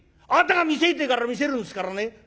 「あなたが見せえって言うから見せるんですからね。